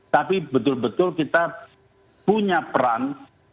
tapi betul betul kita punya peran